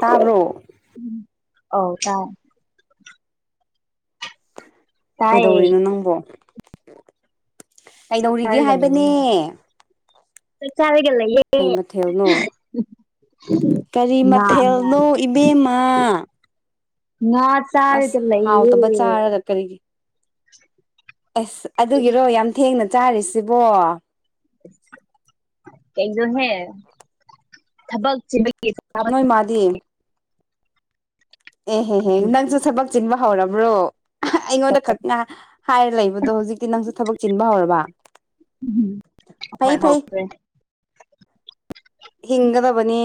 [inaudible] ꯇꯥꯕ꯭ꯔꯣ ꯎꯨꯝ ꯑꯧ ꯇꯥꯏ ꯇꯥꯏꯌꯦ ꯀꯩꯗꯧꯔꯤꯅꯣ ꯅꯪꯕꯣ ꯀꯩꯗꯧꯔꯤꯒꯦ ꯇꯥꯔꯒ ꯂꯩꯌꯦ ꯍꯥꯏꯕꯅꯦ ꯆꯥꯛ ꯆꯥꯔꯒ ꯂꯩꯌꯦ ꯀꯩ ꯃꯊꯦꯜꯅꯣ ꯀꯔꯤ ꯉꯥ ꯉꯥ ꯃꯊꯦꯜꯅꯣ ꯏꯕꯦꯝꯃ ꯉꯥ ꯑꯁ ꯆꯥꯔꯒ ꯍꯥꯎꯇꯕ ꯂꯩꯌꯦ ꯆꯥꯒ ꯀꯔꯤꯒꯤ ꯑꯁ ꯑꯗꯨꯒꯤꯔꯣ ꯌꯥꯝ ꯊꯦꯡꯅ ꯆꯥꯔꯤꯁꯤꯕꯣ ꯀꯅꯣꯍꯦ ꯊꯕꯛ ꯆꯤꯟꯕꯒꯤ ꯆꯥꯕ ꯅꯣꯏ ꯃꯥꯗꯤ ꯑꯦꯍꯦꯍꯦ ꯅꯪꯁꯨ ꯊꯕꯛ ꯆꯤꯟꯕ ꯍꯧꯔꯕ꯭ꯔꯣ ꯑꯍꯥ ꯑꯩꯉꯣꯟꯗ ꯈꯛꯅ ꯍꯥꯏꯔ ꯂꯩꯕꯗꯣ ꯍꯧꯖꯤꯛꯇꯤ ꯅꯪꯁꯨ ꯊꯕꯛ ꯆꯤꯟꯕ ꯍꯧꯔꯕ ꯐꯩ ꯍꯣꯏ ꯐꯩ ꯍꯧꯈ꯭ꯔꯦ ꯍꯤꯡꯒꯗꯕꯅꯤ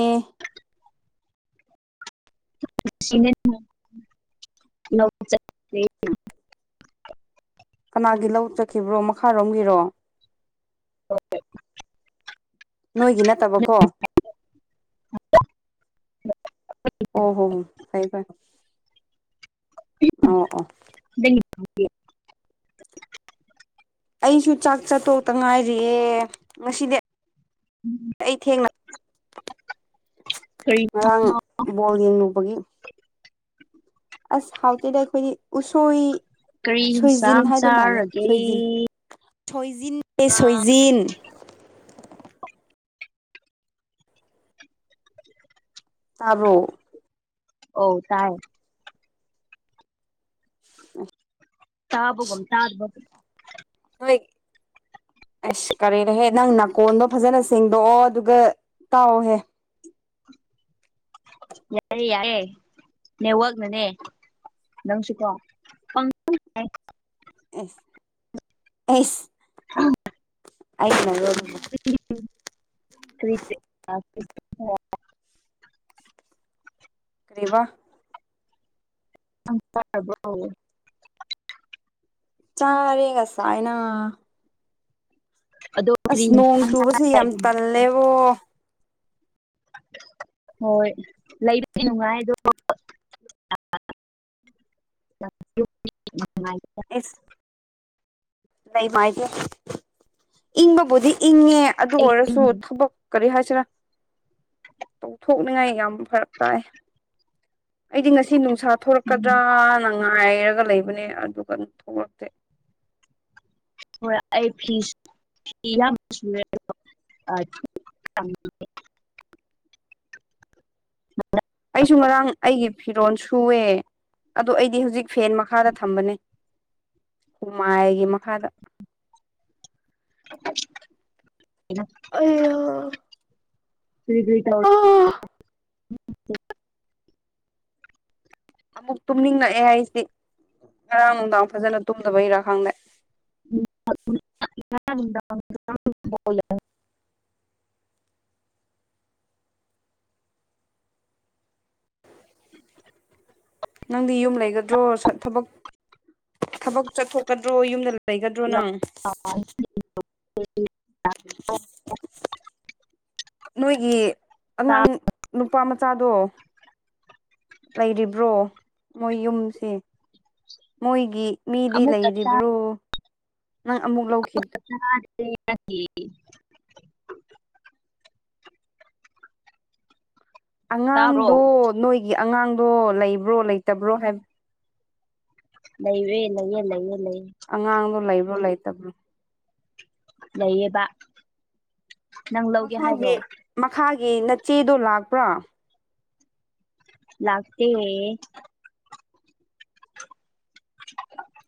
[unintelligible] ꯀꯅꯥꯒꯤ ꯂꯧ ꯆꯠꯈꯤꯕ꯭ꯔꯣ ꯃꯈꯥꯔꯣꯝꯒꯤꯔꯣ [unintelligible] ꯅꯣꯏꯒꯤ ꯅꯠꯇꯕꯀꯣ ꯑꯣ ꯍꯣ ꯍꯣ ꯐꯩ ꯐꯩ ꯑꯣ ꯑꯣ [unintelligible] ꯑꯩꯁꯨ ꯆꯥꯛ ꯆꯥꯇꯣꯛꯇ ꯉꯥꯏꯔꯤꯌꯦ ꯉꯁꯤꯗꯤ [inaudible] ꯑꯩ ꯊꯦꯡꯅ ꯀꯔꯤ [inaudible] ꯉꯔꯥꯡ ꯏꯟꯁꯥꯡꯅꯣ ꯕꯣꯜ ꯌꯦꯡꯉꯨꯕꯒꯤ ꯑꯁ ꯍꯥꯎꯇꯦꯗ ꯑꯩꯈꯣꯏꯗꯤ ꯎꯁꯣꯏ ꯀꯔꯤ ꯁꯣꯏꯖꯤꯟ ꯏꯟꯁꯥꯡ ꯍꯥꯏꯗꯣ ꯃꯥꯜꯂꯦ ꯆꯥꯔꯒꯦ ꯁꯣꯏꯖꯤꯟ ꯁꯣꯏꯖꯤꯟꯅꯦ ꯁꯣꯏꯖꯤꯟ ꯇꯥꯕ꯭ꯔꯣ ꯑꯧ ꯇꯥꯏ [unintelligible] ꯇꯥꯕꯕꯨꯝ ꯇꯥꯕꯗꯕꯒꯨꯝ ꯅꯣꯏ ꯑꯁ ꯀꯔꯤꯅꯣꯍꯦ ꯅꯪ ꯅꯥꯀꯣꯟꯗꯣ ꯐꯖꯅ ꯁꯦꯡꯗꯣꯛꯑꯣ ꯑꯗꯨꯒ ꯇꯥꯎꯑꯣꯍꯦ ꯌꯥꯏꯔꯦ ꯌꯥꯏꯌꯦ ꯅꯦꯠꯋꯥꯛꯅꯅꯦ ꯅꯪꯁꯨꯀꯣ ꯄꯪ ꯀꯔꯤ ꯑꯥ ꯑꯁ ꯑꯩꯁ ꯑꯩꯅꯔꯣ [unintelligible] [unintelligible] ꯀꯔꯤ [unintelligible] ꯀꯔꯤꯕ [unintelligible] ꯆꯥꯔꯦ ꯉꯁꯥꯏꯅ ꯑꯗꯣ ꯀꯔꯤ ꯑꯁ ꯅꯣꯡ ꯏꯟꯁꯥꯡ ꯆꯥꯏ ꯆꯨꯕꯁꯦ ꯌꯥꯝ ꯇꯜꯂꯦꯕꯣ ꯍꯣꯏ ꯂꯩꯕꯗꯤ ꯅꯨꯡꯉꯥꯏ ꯑꯗꯣ [unintelligible] [unintelligible] ꯏꯁ ꯂꯩ ꯃꯥꯥꯏꯒꯦ ꯏꯪꯕꯕꯨꯗꯤ ꯏꯪꯉꯦ ꯑꯗꯨ ꯑꯩ ꯑꯣꯏꯔꯁꯨ ꯊꯕꯛ ꯀꯔꯤ ꯍꯥꯏꯁꯤꯔꯥ ꯇꯧꯊꯣꯛꯅꯤꯡꯉꯥꯏ ꯌꯥꯝ ꯐꯔꯛ ꯇꯥꯏ ꯑꯩꯗꯤ ꯉꯁꯤ ꯅꯨꯡ ꯅꯨꯡꯁꯥ ꯊꯣꯛꯂꯛꯀꯗ꯭ꯔꯅ ꯉꯥꯏꯔꯒ ꯂꯩꯕꯅꯦ ꯑꯗꯨꯒ ꯑꯗꯨꯝ ꯊꯣꯛꯂꯛꯇꯦ ꯍꯣꯏ ꯑꯩ ꯐꯤ ꯁꯨ ꯐꯤ ꯌꯥꯝ ꯁꯨꯔꯦ ꯑꯩꯁꯨ ꯉꯔꯥꯡ ꯑꯩꯒꯤ ꯐꯤꯔꯣꯜ ꯁꯨꯑꯦ ꯑꯗꯣ ꯑꯩꯗꯤ ꯍꯧꯖꯤꯛ ꯐꯦꯟ ꯃꯈꯥꯗ ꯊꯝꯕꯅꯦ ꯍꯨꯃꯥꯏꯒꯤ ꯃꯈꯥꯗ [inaudible] ꯑꯩꯌꯥ ꯀ꯭ꯔꯤ ꯀ꯭ꯔꯤ ꯇꯧꯔꯤ ꯑꯃꯨꯛ ꯇꯨꯝꯅꯤꯡꯂꯛꯑꯦ ꯑꯩꯗꯤ ꯉꯔꯥꯡ ꯅꯨꯡꯗꯥꯡ ꯐꯖꯅ ꯇꯨꯝꯗꯕꯩꯔꯥ ꯈꯪꯗꯦ ꯎ [unintelligible] ꯅꯪꯗꯤ ꯌꯨꯝ ꯂꯩꯒꯗ꯭ꯔꯣ ꯁꯠ ꯊꯕꯛ ꯊꯕꯛ ꯆꯠꯊꯣꯛꯀꯗ꯭ꯔꯣ ꯌꯨꯝꯗ ꯂꯩꯒꯗ꯭ꯔꯣ ꯅꯪ [inaudible] ꯅꯣꯏꯒꯤ ꯑꯉꯥꯡ ꯅꯨꯄꯥ ꯃꯆꯥꯗꯣ ꯂꯩꯔꯤꯕ꯭ꯔꯣ ꯃꯣꯏ ꯌꯨꯝꯁꯦ ꯃꯣꯏꯒꯤ ꯃꯤꯗꯤ ꯑꯃꯨꯛꯀ ꯂꯩꯔꯤꯕ꯭ꯔꯣ ꯅꯪ ꯑꯃꯨꯛ ꯂꯧꯈꯤ [inaudible] ꯇꯥꯕ꯭ꯔꯣ ꯑꯉꯥꯡꯗꯣ ꯅꯣꯏꯒꯤ ꯑꯉꯥꯡꯗꯣ ꯂꯩꯕ꯭ꯔꯣ ꯂꯩꯇꯕ꯭ꯔꯣ ꯍꯥꯏꯕ ꯂꯩꯔꯦ ꯂꯩꯌꯦ ꯂꯩꯌꯦ ꯂꯩꯌꯦ ꯑꯉꯥꯡꯗꯣ ꯂꯩꯕ꯭ꯔꯣ ꯂꯩꯇꯕ꯭ꯔꯣ ꯂꯩꯌꯦꯕ ꯅꯪ ꯂꯧꯒꯦ ꯍꯥꯏꯕ꯭ꯔꯣ ꯃꯈꯥꯒꯤ ꯃꯈꯥꯒꯤ ꯅꯆꯦꯗꯣ ꯂꯥꯛꯄ꯭ꯔꯥ ꯂꯥꯛꯇꯦ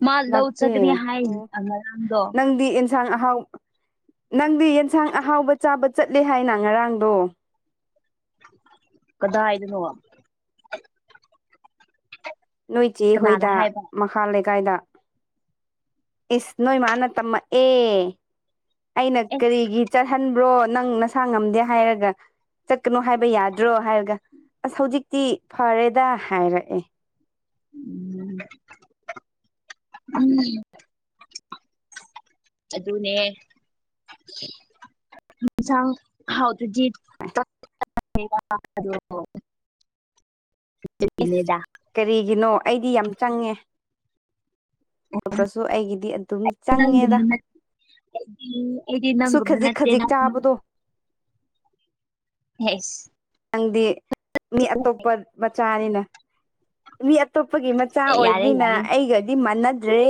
ꯃꯥ ꯂꯧ ꯂꯥꯛꯇꯦ ꯆꯠꯀꯅꯤ ꯍꯥꯏ ꯑꯣ ꯉꯔꯥꯡꯗꯣ ꯅꯪꯗꯤ ꯏꯟ ꯌꯦꯟꯁꯥꯡ ꯑꯍꯥꯎꯕ ꯅꯪꯗꯤ ꯌꯦꯟꯁꯥꯡ ꯑꯍꯥꯎꯕ ꯆꯥꯕ ꯆꯠꯂꯦ ꯍꯥꯏꯅ ꯉꯔꯥꯡꯗꯣ ꯀꯗꯥꯏꯗꯅꯣ ꯅꯣꯏ ꯆꯦ ꯀꯅꯥꯅ ꯍꯣꯏꯗ ꯍꯥꯏꯕ ꯃꯈꯥ ꯂꯩꯀꯥꯏꯗ ꯏꯁ ꯅꯣꯏ ꯃꯥꯅ ꯇꯝꯃꯛ ꯑꯦ ꯑꯩꯅ ꯑꯦꯁ ꯀꯔꯤꯒꯤ ꯆꯠꯍꯟꯕ꯭ꯔꯣ ꯅꯪ ꯅꯁꯥ ꯉꯝꯗꯦ ꯍꯥꯏꯔꯒ ꯆꯠꯀꯅꯣ ꯍꯥꯏꯕ ꯌꯥꯗ꯭ꯔꯣ ꯍꯥꯏꯔꯒ ꯑꯁ ꯍꯧꯖꯤꯛꯇꯤ ꯐꯔꯦꯗ ꯍꯥꯏꯔꯛꯑꯦ ꯎꯝ ꯎꯝ [inaudible] ꯑꯗꯨꯅꯦ ꯌꯦꯟꯁꯥꯡ ꯍꯥꯎꯇ꯭ꯔꯗꯤ ꯑꯦꯁ [unintelligible] ꯗꯥ [inaudible] [unintelligible] ꯀꯔꯤꯒꯤꯅꯣ ꯑꯩꯗꯤ ꯌꯥꯝ ꯆꯪꯉꯦ ꯅꯠꯇ꯭ꯔꯁꯨ ꯑꯩꯒꯤꯗꯤ ꯑꯗꯨꯝ ꯆꯪꯉꯦꯗ ꯅꯪꯒꯨꯝꯕ ꯑꯩꯗꯤ ꯑꯩꯗꯤ ꯁꯨ ꯅꯪꯒꯨꯝ ꯈꯖꯤꯛ ꯈꯖꯤꯛ ꯅꯠꯇꯦꯅ ꯅꯪ ꯆꯥꯕꯗꯣ ꯌꯦꯁ ꯅꯪꯗꯤ ꯃꯤ ꯑꯇꯣꯞꯄ ꯃꯆꯥꯅꯤꯅ ꯃꯤ ꯑꯇꯣꯞꯄꯒꯤ ꯃꯆꯥ ꯌꯥꯔꯦ ꯑꯣꯏꯕꯅꯤꯅ ꯌꯥꯔꯦ ꯑꯩꯒꯗꯤ ꯃꯥꯟꯅꯗ꯭ꯔꯦ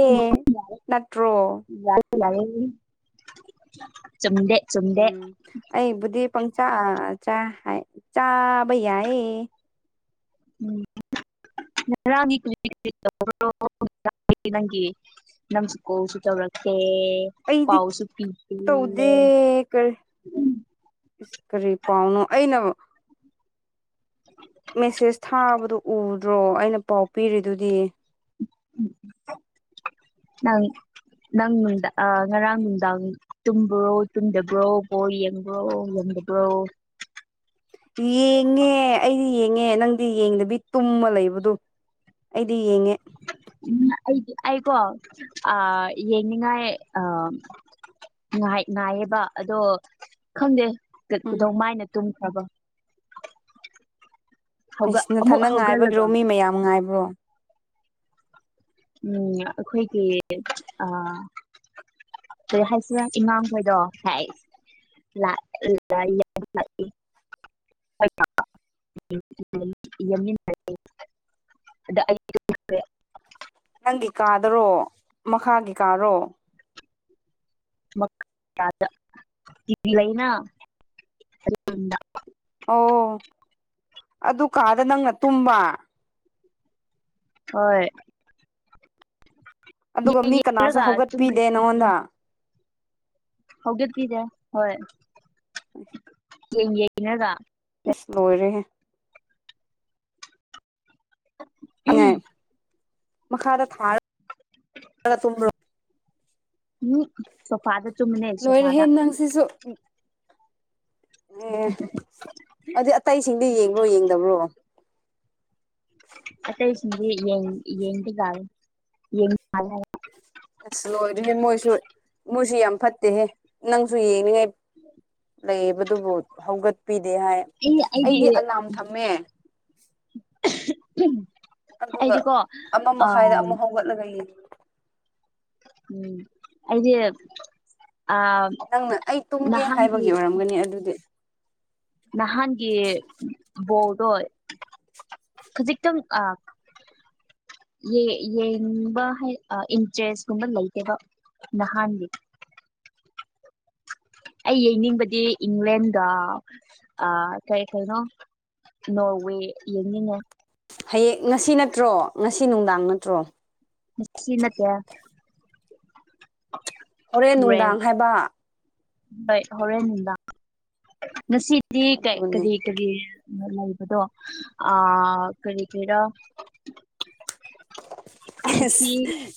ꯅꯠꯇ꯭ꯔꯣ [unintelligible] ꯆꯨꯝꯗꯦ ꯆꯨꯝꯗꯦ ꯎꯝ ꯑꯩꯕꯨꯗꯤ ꯄꯪꯆꯥ ꯆꯥ ꯍꯥꯏ ꯆꯥꯕ ꯌꯥꯏꯌꯦ ꯎꯝ [unintelligible] ꯅꯪꯒꯤ ꯅꯪꯁꯨ ꯀꯣꯜꯁꯨ ꯇꯧꯔꯛꯇꯦ ꯑꯩꯗꯤ ꯄꯥꯎꯁꯨ ꯄꯤꯕꯤꯌꯦ ꯇꯧꯗꯦ ꯀꯔꯤ ꯏꯁ ꯀꯔꯤ ꯄꯥꯎꯅꯣ ꯑꯩꯅ [inaudible] ꯃꯦꯁꯦꯁ ꯊꯥꯕꯗꯣ ꯎꯗ꯭ꯔꯣ ꯑꯩꯅ ꯄꯥꯎ ꯄꯤꯔꯤꯗꯨꯗꯤ ꯅꯪ ꯅꯪꯉꯣꯟꯗ ꯑꯥ ꯉꯔꯥꯡ ꯅꯨꯡꯗꯥꯡ ꯇꯨꯝꯕ꯭ꯔꯣ ꯇꯨꯝꯗꯕ꯭ꯔꯣ ꯕꯣꯜ ꯌꯦꯡꯕ꯭ꯔꯣ ꯌꯦꯡꯗꯕ꯭ꯔꯣ ꯌꯦꯡꯉꯦ ꯑꯩꯗꯤ ꯌꯦꯡꯉꯦ ꯅꯪꯗꯤ ꯌꯦꯡꯗꯕꯤ ꯇꯨꯝꯃ ꯂꯩꯕꯗꯣ ꯑꯩꯗꯤ ꯌꯦꯡꯉꯦ ꯎꯝ ꯑꯩꯗꯤ ꯑꯩ ꯀꯣ ꯑꯥ ꯌꯦꯡꯅꯤꯡꯉꯥꯏ ꯑꯥ ꯥꯉꯥꯏ ꯉꯥꯏꯌꯦꯕ ꯑꯗꯣ ꯈꯪꯗꯦ ꯎꯝ ꯀꯗꯧꯃꯥꯏꯅ ꯇꯨꯝꯈ꯭ꯔꯕ ꯍꯧꯒꯠ ꯏꯁ ꯑꯃꯨꯛ ꯅꯊꯟꯅꯗ ꯉꯥꯏꯕꯒꯤꯔꯣ ꯍꯧꯒꯠꯂꯒ ꯃꯤ ꯃꯌꯥꯝ ꯉꯥꯏꯕ꯭ꯔꯣ ꯎꯝ ꯑꯩꯈꯣꯏꯒꯤ ꯑꯥ ꯀꯩ ꯍꯥꯏꯁꯤꯔ ꯏꯃꯥ ꯈꯣꯏꯗꯣ ꯍꯥꯏꯁ ꯂꯥꯛ [unintelligible] [unintelligible] ꯅꯪꯒꯤ ꯀꯥꯗꯔꯣ ꯃꯈꯥꯒꯤ ꯀꯥꯔꯣ ꯃꯥꯒꯤ ꯀꯥꯗ [unintelligible] ꯇꯤꯚꯤ ꯂꯩꯅ [unintelligible] ꯑꯣ ꯑꯗꯨ ꯀꯥꯗ ꯅꯪꯅ ꯇꯨꯝꯕ ꯍꯣꯏ ꯑꯗꯨꯒ ꯌꯦꯡ ꯃꯤ ꯀꯅꯥꯁꯨ ꯌꯦꯡꯔꯒ ꯇꯨꯝꯈ꯭ꯔꯦ ꯍꯧꯒꯠꯄꯤꯗꯦ ꯅꯪꯉꯣꯟꯗ ꯍꯧꯗꯣꯛꯄꯤꯗꯦ ꯍꯣꯏ [inaudible] ꯌꯦꯡ ꯌꯦꯡꯑꯒ ꯏꯁ ꯂꯣꯏꯔꯦꯍꯦ [unintelligible] ꯃꯈꯥꯗ ꯊꯥꯔ ꯇꯨꯝꯕꯔꯣ ꯎꯝ ꯁꯣꯐꯥꯗ ꯇꯨꯝꯕꯅꯦ ꯂꯣꯏꯔꯦꯍꯦ ꯁꯣꯐꯥꯗ ꯅꯪꯁꯤꯁꯨ ꯑꯦ ꯑꯗꯨ ꯑꯇꯩꯁꯤꯡꯗꯤ ꯌꯦꯡꯕ꯭ꯔꯣ ꯌꯦꯡꯗꯕ꯭ꯔꯣ ꯑꯇꯩꯁꯤꯡꯗꯤ ꯌꯦꯡ ꯌꯦꯡꯗꯤ ꯖꯥꯠꯂꯦ [unintelligible] [unintelligible] ꯑꯁ ꯂꯣꯏꯔꯣꯏꯍꯦ ꯃꯣꯏꯁꯨ ꯃꯣꯏꯁꯨ ꯌꯥꯝ ꯐꯠꯇꯦꯍꯦ ꯅꯪꯁꯨ ꯌꯦꯡꯅꯤꯡꯉꯥꯏ ꯂꯩꯕꯗꯨꯕꯨ ꯍꯧꯒꯠꯄꯤꯗꯦ ꯍꯥꯏ ꯑꯩꯗꯤ ꯑꯂꯥꯝ ꯊꯝꯃꯦ ꯑꯗꯨꯒ ꯑꯩꯗꯤꯀꯣ ꯑꯃ ꯃꯈꯥꯏꯗ ꯑꯥ ꯑꯃꯨꯛ ꯍꯧꯒꯠꯂꯒ ꯌꯦꯡ ꯎꯝ ꯑꯩꯗꯤ ꯑꯥ ꯅꯪꯅ ꯑꯩ ꯇꯨꯝꯒꯦ ꯍꯥꯏꯕꯒꯤ ꯑꯣꯏꯔꯝꯒꯅꯤ ꯑꯗꯨꯗꯤ ꯅꯍꯥꯟꯒꯤ ꯕꯣꯜꯗꯣ ꯈꯖꯤꯛꯇꯪ ꯑꯥ ꯌꯦ ꯌꯦꯡꯕ ꯍꯥꯏ ꯑꯥ ꯏꯟꯇ꯭ꯔꯦꯁ ꯀꯨꯝꯕ ꯂꯩꯇꯦꯕ ꯅꯍꯥꯟꯒꯤ ꯑꯩ ꯌꯦꯡꯅꯤꯡꯕꯗꯤ ꯏꯪꯂꯦꯟꯒ ꯑꯥ ꯀꯩ ꯀꯩꯅꯣ ꯅꯣꯔꯋꯦ ꯌꯦꯡꯅꯤꯉꯦ ꯍꯌꯦꯛ ꯉꯁꯤ ꯅꯠꯇ꯭ꯔꯣ ꯉꯁꯤ ꯅꯨꯡꯗꯥꯡ ꯅꯠꯇ꯭ꯔꯣ ꯉꯠꯆꯤ ꯅꯠꯇꯦ ꯑꯧꯔꯦꯟ ꯍꯣꯔꯦꯟ ꯅꯨꯡꯗꯥꯡ ꯍꯥꯏꯕ ꯍꯣꯏ ꯍꯣꯔꯦꯟ ꯅꯨꯡꯗꯥꯡ ꯉꯁꯤꯗꯤ ꯀꯩ ꯑꯗꯨꯅꯦ ꯀꯔꯤ ꯀꯔꯤ ꯃꯂꯩꯕꯗꯣ ꯑꯥ ꯀꯔꯤ ꯀ꯭ꯔꯤꯔ ꯑꯍꯦꯁ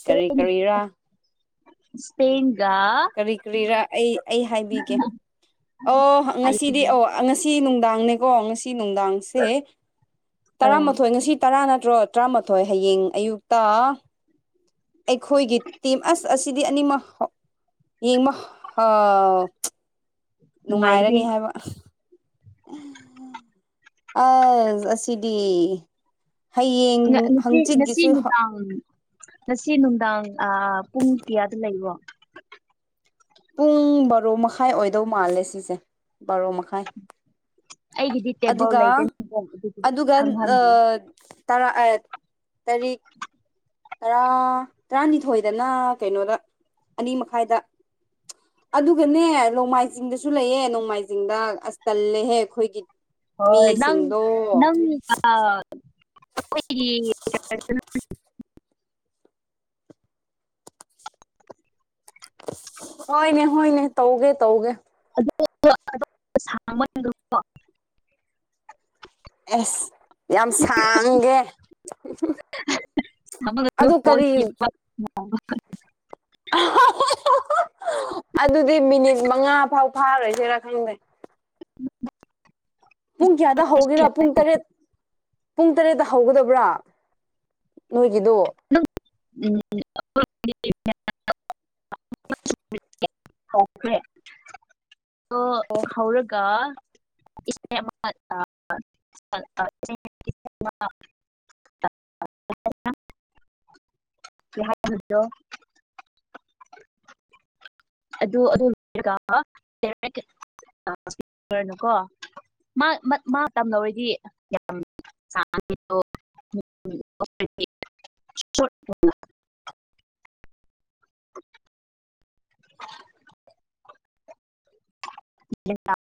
ꯀꯔꯤ ꯀꯔꯤꯔꯥ ꯏꯁꯄꯦꯟꯒ ꯀꯔꯤ ꯀꯔꯤꯔꯥ ꯑꯩ ꯑꯩ ꯍꯥꯏꯕꯤꯒꯦ ꯑꯣ ꯉꯁꯤꯗꯤ ꯑꯣ ꯉꯥꯁꯤ ꯇꯤ ꯅꯨꯡꯗꯥꯡꯅꯦꯀꯣ ꯉꯁꯤ ꯅꯨꯡꯗꯥꯡꯁꯦ ꯇꯔꯥꯃꯥꯊꯣꯏ ꯉꯁꯤ ꯇꯔꯥ ꯅꯠꯇ꯭ꯔꯣ ꯇ꯭ꯔꯥꯃꯥꯊꯣꯏ ꯍꯌꯦꯡ ꯑꯌꯨꯛꯇ ꯑꯩꯈꯣꯏꯒꯤ ꯇꯤꯝ ꯑꯁ ꯑꯁꯤꯗꯤ ꯑꯅꯤꯃꯛ ꯌꯦꯡꯕ ꯍꯥ... ꯅꯨꯡꯉꯥꯏꯒꯅꯤ ꯅꯨꯡꯉꯥꯏꯔꯅꯤ ꯍꯥꯏꯕ ꯑꯥꯖ ꯑꯁꯤꯗꯤ ꯍꯌꯦꯡ ꯉ ꯅꯨꯄꯤ ꯉꯁꯤ ꯍꯪꯆꯤꯠꯀꯤꯁꯨ ꯅꯨꯛꯗꯥꯡ ꯉꯁꯤ ꯅꯨꯡꯗꯥꯡ ꯑꯥ ꯄꯨꯡ ꯀꯌꯥꯗ ꯂꯩꯕ꯭ꯔꯣ ꯄꯨꯡ ꯕꯥꯔꯣ ꯃꯈꯥꯏ ꯑꯣꯏꯗꯧ ꯃꯥꯜꯂꯦ ꯁꯤꯁꯦ ꯕꯥꯔꯣ ꯃꯈꯥꯏ ꯑꯩꯒꯤꯗꯤ ꯇꯦꯕꯜ ꯑꯗꯨꯒ ꯂꯩꯇꯦ ꯑꯗꯨꯒꯤ ꯑꯗꯨꯒ ꯑ ꯈꯪꯍꯟꯗꯦ ꯇꯔꯥ ꯑꯥꯏꯠ ꯇꯔꯤꯛ [inaudible] ꯇꯔꯥ ꯇꯔꯥꯅꯤꯊꯣꯏꯗꯅ ꯀꯩꯅꯣꯗ ꯑꯅꯤ ꯃꯈꯥꯏꯗ ꯑꯗꯨꯒꯅꯦ ꯂꯣꯡꯃꯥꯏꯖꯤꯡꯗꯁꯨ ꯂꯩꯌꯦ ꯅꯣꯡꯃꯥꯏꯖꯤꯡꯗ ꯑꯁ ꯇꯜꯂꯦꯍꯦ ꯈꯣꯏꯒꯤ ꯍꯣꯏ ꯅꯪ ꯅꯪ ꯑꯥ ꯑꯈꯣꯏ ꯌꯦꯡꯉꯤ ꯍꯣꯏꯅꯦ ꯍꯣꯏꯅꯦ ꯇꯧꯒꯦ ꯇꯧꯒꯦ ꯑꯗꯨ ꯑꯗꯣ ꯁꯥꯡꯃꯟ [unintelligible] ꯑꯦꯁ ꯌꯥꯝ ꯁꯥꯡꯒꯦ ꯍꯝ ꯍꯝ [unintelligible] [unintelligible] ꯑꯗꯨꯗꯤ ꯃꯤꯅꯤꯠ ꯃꯉꯥ ꯐꯥꯎ ꯐꯥꯔꯣꯏꯖꯤꯔ ꯈꯪꯗꯦ [inaudible] ꯄꯨꯡ ꯀ꯭ꯌꯥꯗ ꯍꯧꯒꯦꯔꯥ ꯄꯨꯡ ꯇꯔꯦꯠ ꯄꯨꯡ ꯇꯔꯦꯠꯗ ꯍꯧꯒꯗꯕ꯭ꯔꯥ ꯅꯣꯏꯒꯤꯗꯣ ꯅꯪ ꯎꯝ [unintelligible] [unintelligible] ꯇꯣ ꯍꯧꯔꯒ ꯏꯁꯦ ꯑꯃ ꯑ [unintelligible] [unintelligible] ꯁꯤ ꯍꯥꯏꯒꯤ [unintelligible] ꯑꯗꯨ ꯑꯗꯨ ꯂꯣꯏꯔꯒꯕ [unintelligible] ꯀꯣ ꯃꯥ ꯃꯠ ꯃꯥ ꯇꯝꯅ ꯑꯣꯏꯔꯗꯤ ꯌꯥꯝ ꯁꯥꯡꯉꯤꯇꯣ ꯆꯣꯠ [unintelligible] [unintelligible]